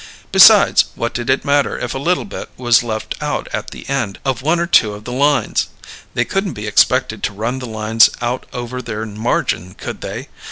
Besides, what did it matter if a little bit was left out at the end of one or two of the lines? They couldn't be expected to run the lines out over their margin, could they?